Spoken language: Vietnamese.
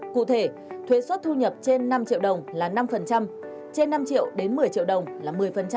cụ thể thuế xuất thu nhập trên năm triệu đồng là năm trên năm triệu đến một mươi triệu đồng là một mươi